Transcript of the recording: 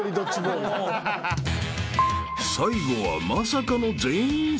［最後はまさかの全員セーフ］